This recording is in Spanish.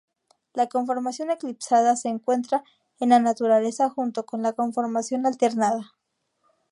La conformación eclipsada se encuentra en la naturaleza junto con la conformación alternada.